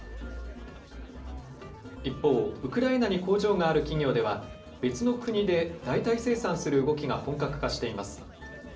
一方、ウクライナに工場がある企業では、別の国で代替生産する動きが本格化しています。